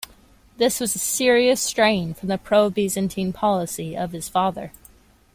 This was a serious straying from the pro-Byzantine policy of his father.